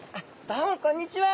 どうもこんにちは！